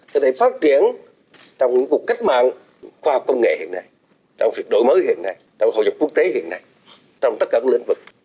có thể phát triển trong những cuộc cách mạng khoa học công nghệ hiện nay trong việc đổi mới hiện nay trong hội nhập quốc tế hiện nay trong tất cả các lĩnh vực